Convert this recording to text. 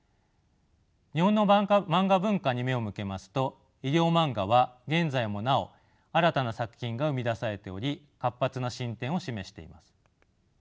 日本のマンガ文化に目を向けますと医療マンガは現在もなお新たな作品が生み出されており活発な進展を示しています。